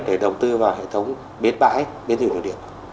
để đầu tư vào hệ thống biến bãi biến thủy nội điểm